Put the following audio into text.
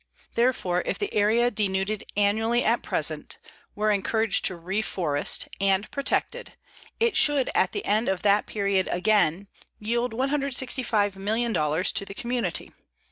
Therefore, if the area denuded annually at present were encouraged to reforest and protected, it should at the end of that period again yield $165,000,000 to the community.